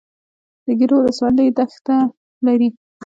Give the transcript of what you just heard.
د ګیرو ولسوالۍ دښتې لري